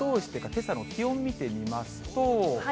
けさの気温見てみますと。